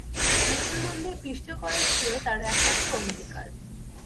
মুসলমানদের পিষ্ট করাই ছিল তার একমাত্র অঙ্গীকার।